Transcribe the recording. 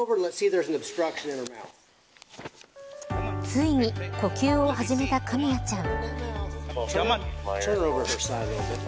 ついに呼吸を始めたカミヤちゃん。